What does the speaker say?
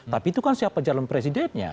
tapi itu kan siapa calon presidennya